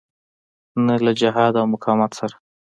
نه له جهاد او مقاومت سره.